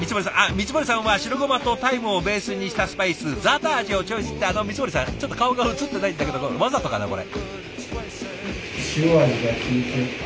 光森さんは白ごまとタイムをベースにしたスパイスザーター味をチョイスってあの光森さんちょっと顔が映ってないんだけどわざとかなこれ。